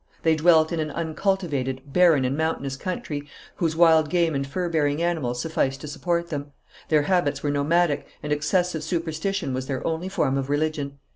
They dwelt in an uncultivated, barren and mountainous country, whose wild game and fur bearing animals sufficed to support them. Their habits were nomadic, and excessive superstition was their only form of religion.